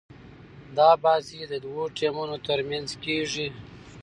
دا بازي د دوه ټيمونو تر منځ کیږي.